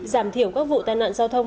giảm thiểu các vụ tai nạn giao thông